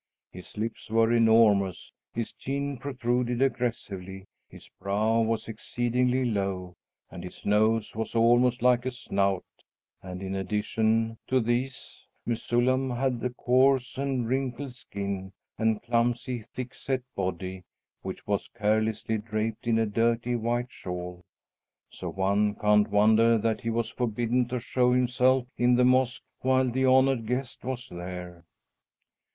His lips were enormous, his chin protruded aggressively, his brow was exceedingly low, and his nose was almost like a snout; and in addition to these, Mesullam had a coarse and wrinkled skin and a clumsy, thick set body, which was carelessly draped in a dirty white shawl. So one can't wonder that he was forbidden to show himself in the mosque while the honored guest was there!